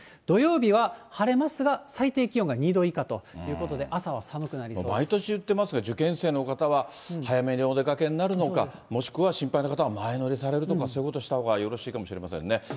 土曜日は晴れますが、最低気温が２度以下と、朝は寒くなりそうで毎年言ってますが、受験生の方は早めにお出かけになるのか、もしくは心配な方は、前乗りされるとか、そういうことしたほうがよろしいかもしれませんね。